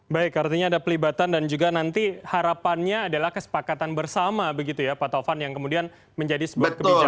baik artinya ada pelibatan dan juga nanti harapannya adalah kesepakatan bersama begitu ya pak taufan yang kemudian menjadi sebuah kebijakan